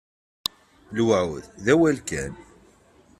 Lewɛud, d awal kan.